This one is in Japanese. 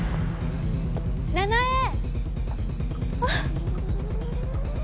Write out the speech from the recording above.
あっ。